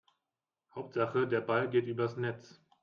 Hauptsache der Ball geht übers Netz.